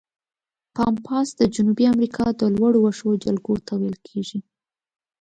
پامپاس د جنوبي امریکا د لوړو وښو جلګو ته ویل کیږي.